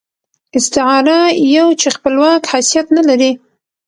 استعاره يو چې خپلواک حيثيت نه لري.